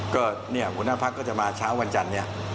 ก็เนี่ยหัวหน้าพักก็จะมาเช้าวันจันทร์เนี่ย